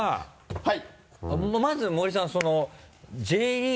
はい。